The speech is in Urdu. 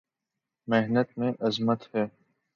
محنت میں عظمت ہے